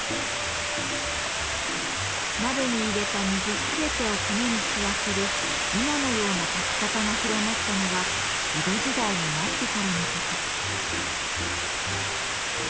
鍋に入れた水全てを米に吸わせる今のような炊き方が広まったのは江戸時代になってからのこと。